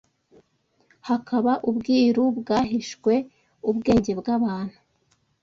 hakaba ubwiru bwahishwe ubwenge bw’abantu